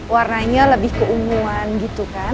warnanya lebih keumuan gitu kan